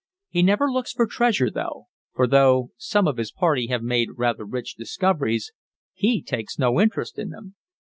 He never looks for treasure, though, for though some of his party have made rather rich discoveries, he takes no interest in them."